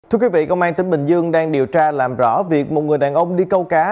thưa quý vị công an tỉnh bình dương đang điều tra làm rõ việc một người đàn ông đi câu cá